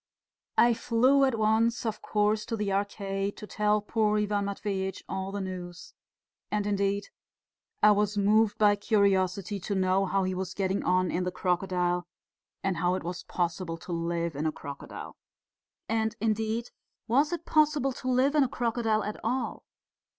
I flew at once, of course, to the Arcade to tell poor Ivan Matveitch all the news. And, indeed, I was moved by curiosity to know how he was getting on in the crocodile and how it was possible to live in a crocodile. And, indeed, was it possible to live in a crocodile at all?